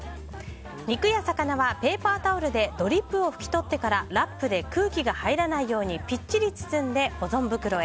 肉や魚はペーパータオルでドリップをふき取ってからラップで空気が入らないようにぴっちり包んで保存袋へ。